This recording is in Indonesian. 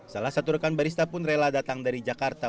salah satu rekan barista pun rela datang dari jakarta